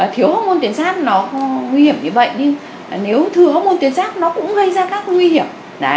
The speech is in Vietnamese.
thiếu hốc môn tuyến giáp nó nguy hiểm như vậy nhưng nếu thừa hốc môn tuyến giáp nó cũng gây ra các nguy hiểm